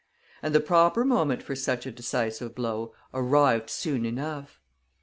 And the proper moment for such a decisive blow arrived soon enough.